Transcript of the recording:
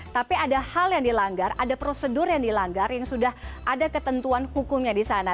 tapi ada hal yang dilanggar ada prosedur yang dilanggar yang sudah ada ketentuan hukumnya di sana